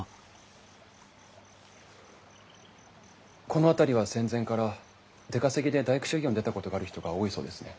この辺りは戦前から出稼ぎで大工修業に出たことがある人が多いそうですね。